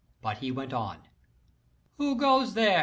But he went on. "Who goes there?"